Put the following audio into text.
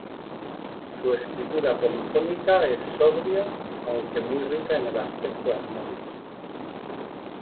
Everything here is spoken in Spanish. Su escritura polifónica es sobria, aunque muy rica en el aspecto armónico.